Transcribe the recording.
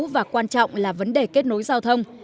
và quan trọng là vấn đề kết nối giao thông